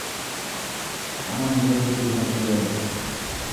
আমার নিকট হইতে উহা চলিয়া গেল।